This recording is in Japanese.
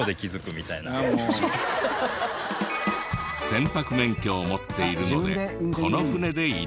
船舶免許を持っているのでこの船で移動。